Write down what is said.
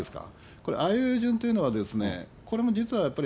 これ、あいうえお順というのは、これも実はやっぱり、